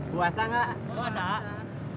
puasa gak puasa